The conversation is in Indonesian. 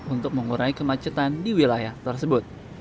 untuk mengurai kemacetan di wilayah tersebut